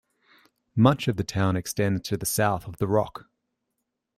Much of the town extends to the south of the rock.